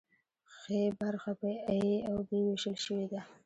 ښي برخه په ای او بي ویشل شوې ده.